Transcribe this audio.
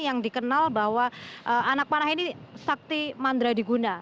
yang dikenal bahwa anak panah ini sakti mandra diguna